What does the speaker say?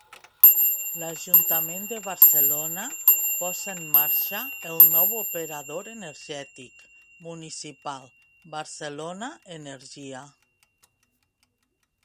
L'Ajuntament de Barcelona posa en marxa el nou operador energètic municipal, Barcelona Energia.